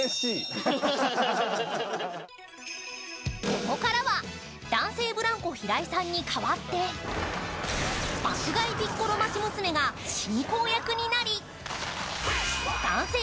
ここからは、男性ブランコ平井さんに代わって爆買いピッコロ町娘が進行役になり男性